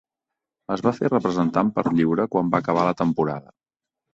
Es va fer representant per lliure quan va acabar la temporada.